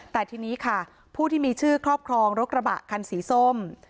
แต่ทีนี้ค่ะผู้ที่มีชื่อครอบครองรถกระบะคันสีส้ม